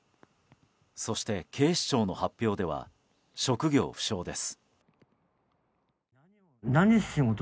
そして、警視庁の発表では職業不詳です。